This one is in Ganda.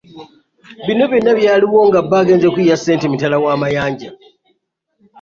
Bino byonna byaliwo nga bba agenze kuyiiya ssente mitala wa Mayanja.